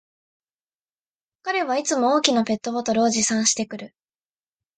彼はいつも大きなペットボトルを持参してくる